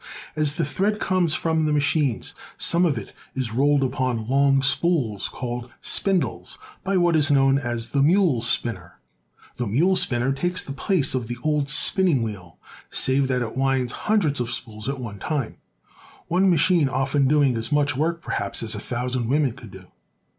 As the thread comes from the machines some of it is rolled upon long spools, called spindles, by what is known as the mule spinner. The mule spinner takes the place of the old spinning wheel, save that it winds hundreds of spools at one time, one machine often doing as much work, perhaps, as a thousand women could do.